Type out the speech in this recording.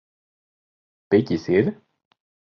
Piķis ir?